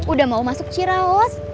udah mau masuk ciraus